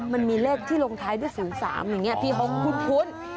มันมีเลขที่ลงท้ายด้วย๐๓อย่างนี้พี่หงคุ้น